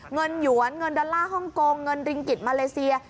หยวนเงินดอลลาร์ฮ่องกงเงินริงกิจมาเลเซีย